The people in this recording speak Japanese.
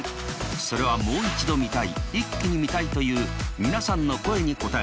それはもう一度見たいイッキに見たいという皆さんの声に応え